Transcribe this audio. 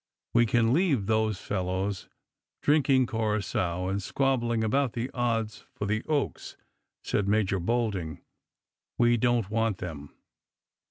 " We can leave those fellows drinking cura^oa, and squab bling about the odda for the Oaks," said Major Boldiug. *' We don't want them."